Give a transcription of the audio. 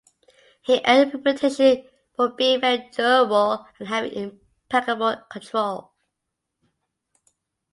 He earned a reputation for being very durable and having impeccable control.